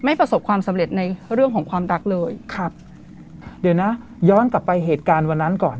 ประสบความสำเร็จในเรื่องของความรักเลยครับเดี๋ยวนะย้อนกลับไปเหตุการณ์วันนั้นก่อน